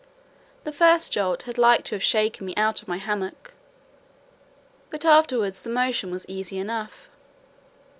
The first jolt had like to have shaken me out of my hammock, but afterward the motion was easy enough.